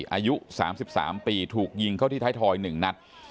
อายุ๓๓ปีถูกยิงเข้าที่ไทยทอย๑นัด